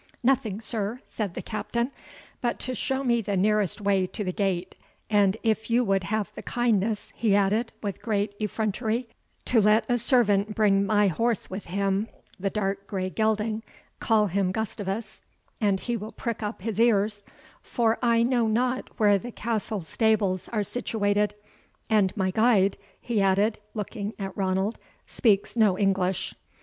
"Nothing, sir," said the Captain, "but to shew me the nearest way to the gate and if you would have the kindness," he added, with great effrontery, "to let a servant bring my horse with him, the dark grey gelding call him Gustavus, and he will prick up his ears for I know not where the castle stables are situated, and my guide," he added, looking at Ranald, "speaks no English."